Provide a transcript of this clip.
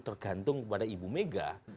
tergantung kepada ibu mega